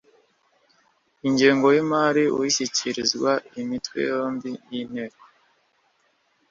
Igengo y’ imari ushyikirizwa Imitwe yombi y’ Inteko